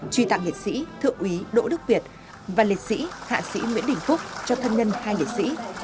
truy tặng liệt sĩ thượng úy đỗ đức việt và liệt sĩ hạ sĩ nguyễn đình phúc cho thân nhân hai liệt sĩ